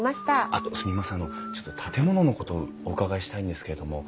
あのちょっと建物のことお伺いしたいんですけれども。